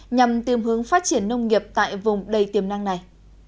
nhằm tiêm hướng phát triển nông nghiệp tại vùng đầy tiềm năng này